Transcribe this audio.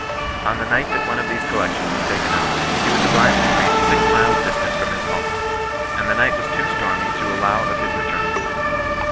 On the night that one of these collections was taken up, he was obliged to preach six miles distant from his home, and the night was too stormy to allow of his re turn.